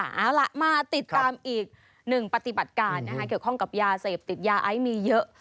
เอาล่ะมาติดตามอีกหนึ่งปฏิบัติการนะคะเกี่ยวข้องกับยาเสพติดยาไอซ์มีเยอะ